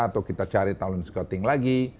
atau kita cari talent scotting lagi